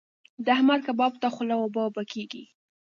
د احمد کباب ته خوله اوبه اوبه کېږي.